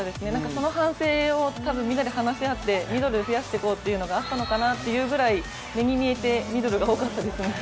その反省をたぶんみんなで話し合って、ミドルを増やしていこうというのがあったのかなというぐらい目に見えて、ミドルが多かったですね。